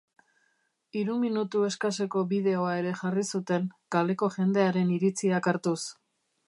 Hiru minutu eskaseko bideoa ere jarri zuten, kaleko jendearen iritziak hartuz.